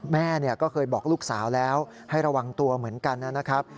แม่ก็เคยบอกลูกสาวแล้วให้ระวังตัวเหมือนกันนะครับ